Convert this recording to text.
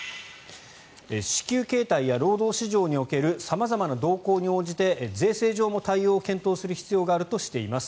支給形態や労働市場における様々な動向に応じて税制上も対応を検討する必要があるとしています。